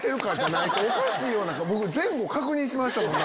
僕前後を確認しましたもん。